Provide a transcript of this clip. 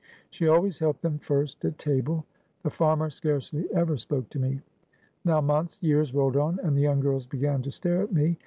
She always helped them first at table. The farmer scarcely ever spoke to me. Now months, years rolled on, and the young girls began to stare at me.